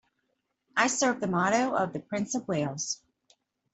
I serve the motto of the Prince of Wales.